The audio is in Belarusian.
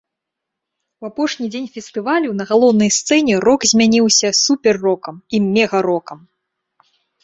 У апошні дзень фестывалю на галоўнай сцэне рок змяняўся супер-рокам і мега-рокам.